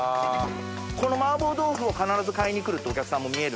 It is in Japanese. この麻婆豆腐を必ず買いに来るってお客さんもみえるんですよ。